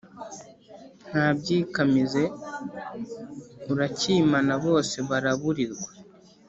Nta byikamize urakimana bose baraburirwa